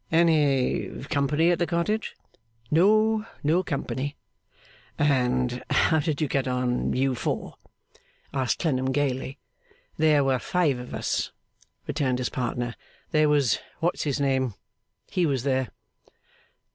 'Any company at the cottage?' 'No, no company.' 'And how did you get on, you four?' asked Clennam gaily. 'There were five of us,' returned his partner. 'There was What's his name. He was there.